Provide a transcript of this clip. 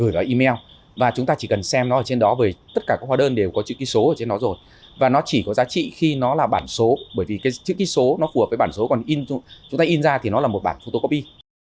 bởi vì chữ ký số nó phù hợp với bản số còn chúng ta in ra thì nó là một bản photocopy